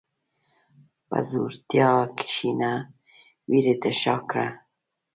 په زړورتیا کښېنه، وېرې ته شا کړه.